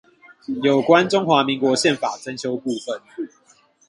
有關中華民國憲法增修部分